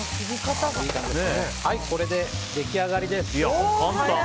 これで出来上がりです。